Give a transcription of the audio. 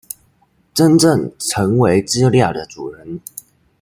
真正成為資料的主人